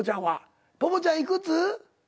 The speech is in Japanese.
ぽぽちゃんいくつ？